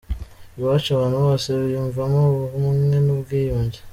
Iwacu abantu bose biyumvamo ubumwe n’ubwiyunge.